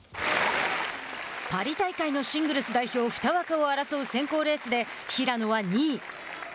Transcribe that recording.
パリ大会のシングルス代表２枠を争う選考レースで平野は２位。